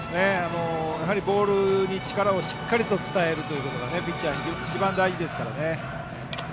やはりボールに力をしっかり伝えることがピッチャーは一番大事ですからね。